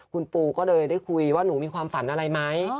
คุณปูก็เลยได้คุยว่าหนูมีความฝันอะไรไหม